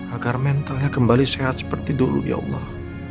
agar mentalnya kembali sehat seperti dulu ya allah